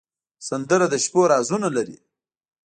سندره د شپو رازونه لري